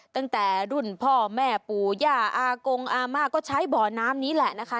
ตั้งแต่รุ่นพ่อแม่ปู่ย่าอากงอาม่าก็ใช้บ่อน้ำนี้แหละนะคะ